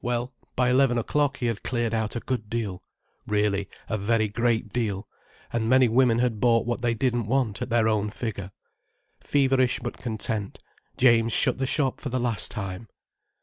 Well, by eleven o'clock he had cleared out a good deal—really, a very great deal—and many women had bought what they didn't want, at their own figure. Feverish but content, James shut the shop for the last time.